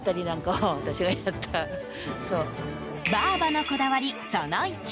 ばあばのこだわり、その１。